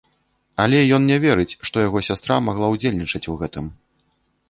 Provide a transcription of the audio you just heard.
Але ён не верыць, што яго сястра магла ўдзельнічаць у гэтым.